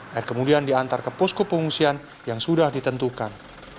air kemudian diantar ke posko pengungsian yang sudah ditentukan